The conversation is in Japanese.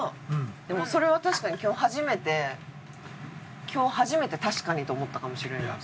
でもそれは確かに今日初めて今日初めて確かにと思ったかもしれないですね。